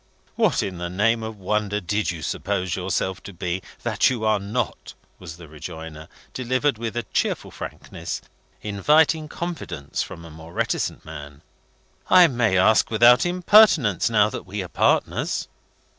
"What, in the name of wonder, did you suppose yourself to be that you are not?" was the rejoinder, delivered with a cheerful frankness, inviting confidence from a more reticent man. "I may ask without impertinence, now that we are partners."